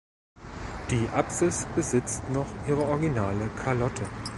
Die Apsis besitzt noch ihre originale Kalotte.